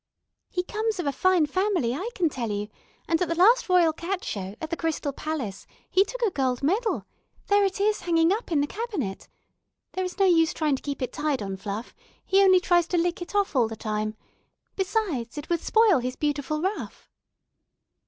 "He comes of a fine family, I can tell you, and at the last Royal Cat Show, at the Crystal Palace, he took a gold medal; there it is hanging up in the cabinet. There is no use trying to keep it tied on Fluff, he only tries to lick it off all the time; besides, it would spoil his beautiful ruff."